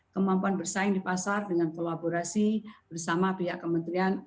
kemampuan bersaing di pasar dengan kolaborasi bersama pihak kementerian